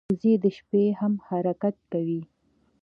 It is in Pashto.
وزې د شپې هم حرکت کوي